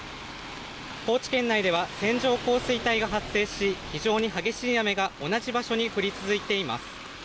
高知県内では線状降水帯が発生し非常に激しい雨が同じ場所に降り続いています。